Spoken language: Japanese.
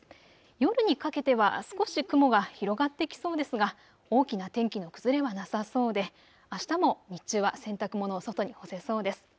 夜にかけては少し雲が広がってきそうですが大きな天気の崩れはなさそうであしたも日中は洗濯物を外に干せそうです。